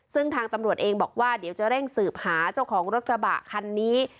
ซึ่งทางตำรวจเองบอกว่าเดี๋ยวจะเร่งสืบหาเจ้าของรถกระบะคันนี้